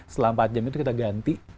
setelah empat jam itu kita ganti